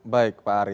baik pak ari